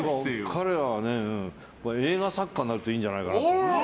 彼は映画作家にいいんじゃないかな。